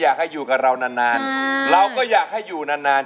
อยากให้อยู่กับเรานานนานเราก็อยากให้อยู่นานนาน